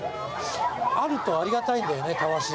あるとありがたいんだよねたわし。